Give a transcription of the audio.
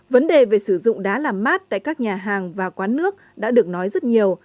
vấn đề về sử dụng đá làm mát tại các nhà hàng và quán nước đã được nói rất nhiều